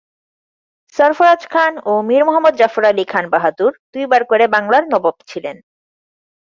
সরফরাজ খান ও মীর মুহাম্মদ জাফর আলী খান বাহাদুর দুইবার করে বাংলার নবাব ছিলেন।